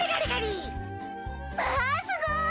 まあすごい！